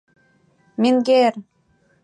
— Менгер!..